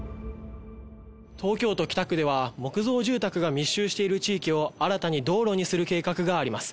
東京都北区では、木造住宅が密集している地域を新たに道路にする計画があります。